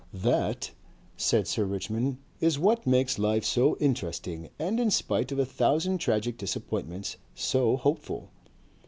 "That," said Sir Richmond, "is what makes life so interesting and, in spite of a thousand tragic disappointments, so hopeful.